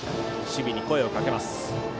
守備に声をかけます。